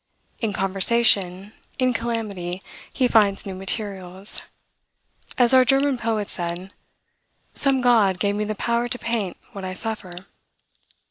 In conversation, in calamity, he finds new materials; as our German poet said, "some god gave me the power to paint what I suffer."